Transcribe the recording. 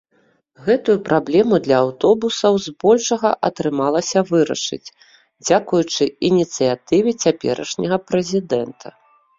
Гэтую праблему для аўтобусаў збольшага атрымалася вырашыць, дзякуючы ініцыятыве цяперашняга прэзідэнта.